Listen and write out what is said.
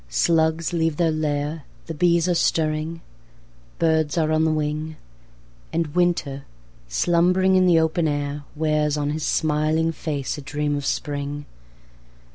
Slugs leave their lair— The bees are stirring—birds are on the wing— And Winter, slumbering in the open air, Wears on his smiling face a dream of Spring!